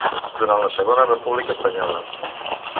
Durant la Segona República Espanyola.